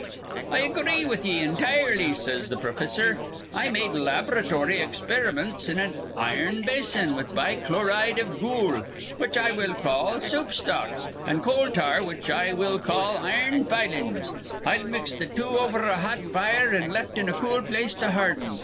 'I agree with ye intirely,' says th' profissor. 'I made lab'ratory experiments in an' ir'n basin, with bichloride iv gool, which I will call soup stock, an' coal tar, which I will call ir'n filings. I mixed th' two over a hot fire, an' left in a cool place to harden.